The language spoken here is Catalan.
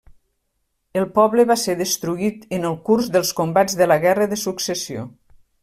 El poble va ser destruït en el curs dels combats de la Guerra de Successió.